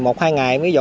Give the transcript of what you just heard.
thì một hai ngày mới dọn